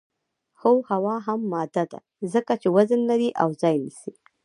هو هوا هم ماده ده ځکه چې وزن لري او ځای نیسي